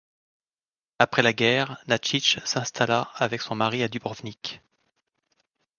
Après la guerre, Načić s'installa avec son mari à Dubrovnik.